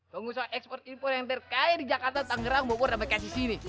pengusaha ekspor info yang terkaya di jakarta tangerang bogor dan kc sini